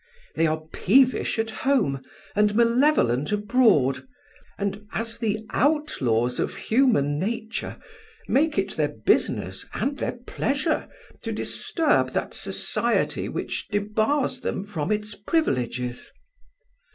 They are peevish at home and malevolent abroad, and, as the outlaws of human nature, make it their business and their pleasure to disturb that society which debars them from its privileges.